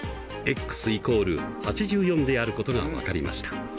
であることが分かりました。